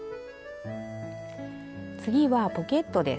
次はポケットです。